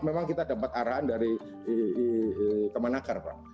memang kita dapat arahan dari teman akar pak